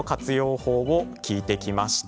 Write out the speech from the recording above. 法を聞いてきました。